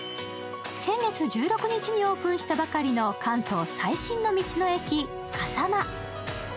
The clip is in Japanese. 先月１６日にオープンしたばかりの関東最新の道の駅、かさま。